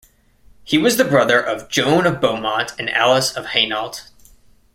He was the brother of John of Beaumont and Alice of Hainault.